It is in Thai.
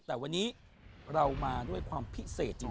แต่วันนี้เรามาด้วยความพิเศษจริง